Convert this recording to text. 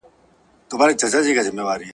ږغ د زهشوم له خوا اورېدل کيږي!